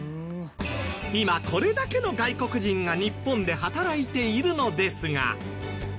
今これだけの外国人が日本で働いているのですが。